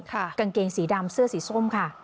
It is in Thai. กางเกงสีดำเสื้อสีส้มค่ะ